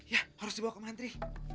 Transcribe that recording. ya harus dibawa ke mantri